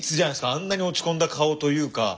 あんなに落ち込んだ顔というか。